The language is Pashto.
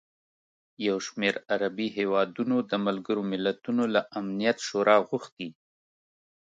یوشمېر عربي هېوادونو د ملګروملتونو له امنیت شورا غوښتي